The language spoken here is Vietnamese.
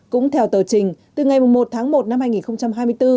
cũng theo tờ trình từ ngày một mươi một tháng một năm hai nghìn hai mươi bốn